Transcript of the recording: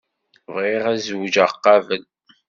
Bɣiɣ ad zweǧeɣ qabel.